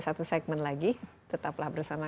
satu segmen lagi tetaplah bersama